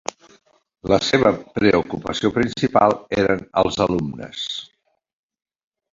La seva preocupació principal eren els alumnes.